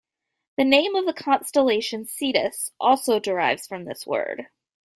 The name of the constellation Cetus also derives from this word.